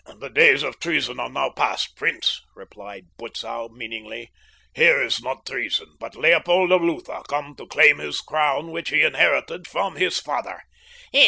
"The days of treason are now past, prince," replied Butzow meaningly. "Here is not treason, but Leopold of Lutha come to claim his crown which he inherited from his father."